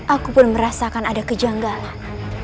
aku pun merasakan ada kejanggalan